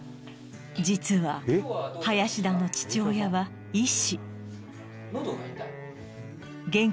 実は林田の父親は医師喉が痛い？